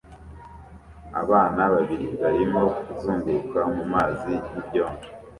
Abana babiri barimo kuzunguruka mu mazi y'ibyondo